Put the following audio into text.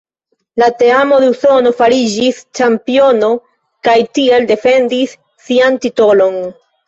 La teamo de Usono fariĝis ĉampiono kaj tiel defendis sian titolon.